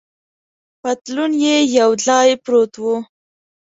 پتلون یې یو ځای پروت و.